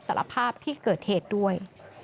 สารภาพที่เกิดเหตุด้วย